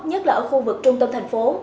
nhất là ở khu vực trung tâm thành phố